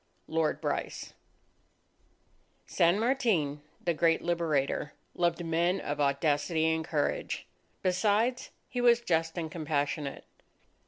_ LORD BRYCE San Martin, the great Liberator, loved men of audacity and courage. Besides, he was just and compassionate